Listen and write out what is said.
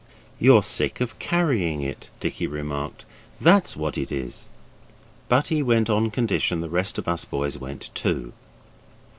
'You're sick of carrying it,' Dicky remarked, 'that's what it is.' But he went on condition the rest of us boys went too.